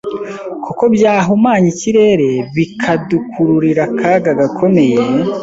kuko byahumanya ikirere bikadukururira akaga gakomeye